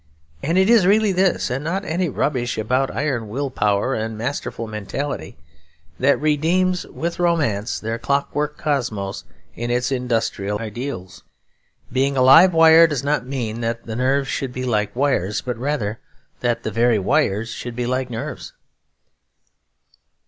And it is really this, and not any rubbish about iron will power and masterful mentality, that redeems with romance their clockwork cosmos and its industrial ideals. Being a live wire does not mean that the nerves should be like wires; but rather that the very wires should be like nerves.